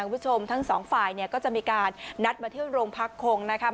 คุณผู้ชมทั้งสองฝ่ายเนี่ยก็จะมีการนัดมาเที่ยวโรงพักคงนะครับ